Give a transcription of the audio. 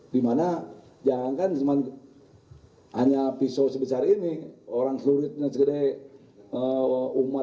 dimana jangankan hanya pisau sebesar ini orang seluruhnya segede umat